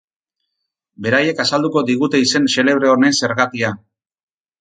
Beraiek azalduko digute izen xelebre honen zergatia.